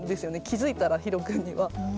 気付いたらひろ君には。